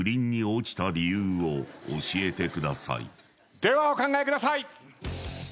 ではお考えください。